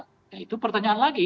nah itu pertanyaan lagi